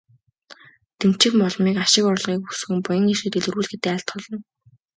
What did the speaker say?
Дэмчигмоломыг ашиг орлогыг өсгөн, буян хишгийг дэлгэрүүлэхэд айлтгуулна.